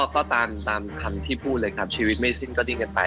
ก็ตามคำที่พูดเลยครับชีวิตไม่สิ้นก็ดิ้นกันไป